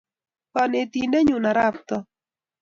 Kanetindennyu arap Too.